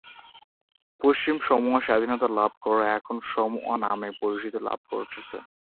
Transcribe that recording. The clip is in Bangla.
পশ্চিম সামোয়া স্বাধীনতা লাভ করে এখন "সামোয়া" নামে পরিচিতি লাভ করেছে।